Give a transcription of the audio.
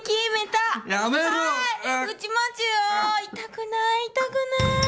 痛くない痛くない。